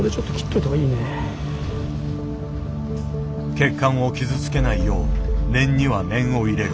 血管を傷つけないよう念には念を入れる。